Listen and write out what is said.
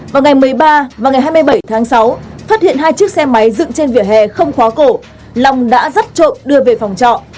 vào ngày một mươi ba và ngày hai mươi bảy tháng sáu phát hiện hai chiếc xe máy dựng trên vỉa hè không khóa cổ long đã rắt trộm đưa về phòng trọ